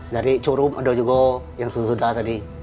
dari curung ada juga yang sudah sudah tadi